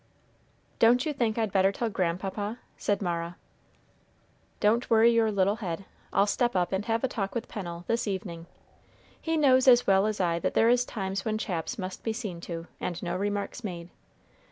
"Do you think I'd better tell grandpapa?" said Mara. "Don't worry your little head. I'll step up and have a talk with Pennel, this evening. He knows as well as I that there is times when chaps must be seen to, and no remarks made.